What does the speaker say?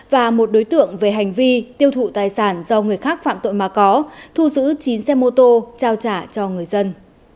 và một đối tượng về hành vi tiêu thụ tài sản do người khác phạm tội mà có thu giữ chín xe mô tô trao trả cho người dân